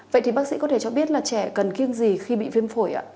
vậy thì bác sĩ có thể cho biết là trẻ cần kiêng gì khi bị viêm phổi ạ